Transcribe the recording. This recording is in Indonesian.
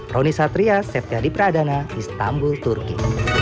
roni satria septyadip radana istanbul turki